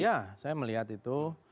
ya saya melihat itu